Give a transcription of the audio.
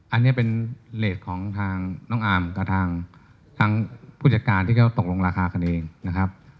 อันนี้เป็นเลสของทางน้องอาร์มกับทางผู้จัดการที่เขาตกลงราคากันเองนะครับ